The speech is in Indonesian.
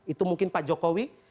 itu mungkin pak jokowi